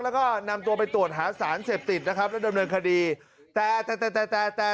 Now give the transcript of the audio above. แล้วก็นำตัวไปตรวจหาสารเสพติดนะครับแล้วดำเนินคดีแต่แต่แต่แต่